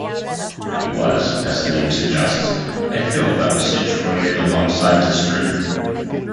It was, as the name suggests, a hill that was situated alongside the stream.